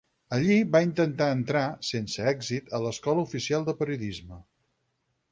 Allí va intentar entrar, sense èxit, a l'Escola Oficial de Periodisme.